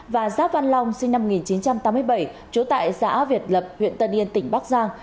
và giáp văn long sinh năm một nghìn chín trăm tám mươi bảy trú tại xã việt lập huyện tân yên tỉnh bắc giang